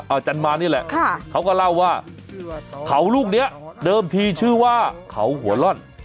จันมานี่แหละเขาก็เล่าว่าเขาลูกนี้เดิมทีชื่อว่าเขาหัวล่อน